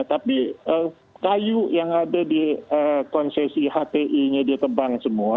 tapi kayu yang ada di konsesi hti nya dia tebang semua